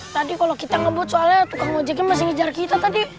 tadi kalau kita ngebut soalnya tukang ojeknya masih ngejar kita tadi